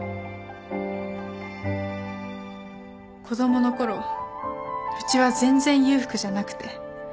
子供のころうちは全然裕福じゃなくて。